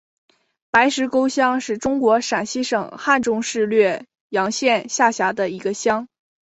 白石沟乡是中国陕西省汉中市略阳县下辖的一个乡。